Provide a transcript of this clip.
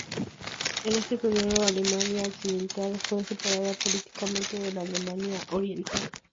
En este periodo, Alemania Occidental fue separada políticamente de la Alemania Oriental.